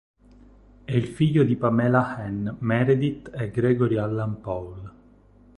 È il figlio di Pamela Ann Meredith e Gregory Allan Paul.